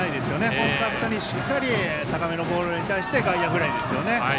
コンパクトにしっかり高めのボールに対して外野フライですよね。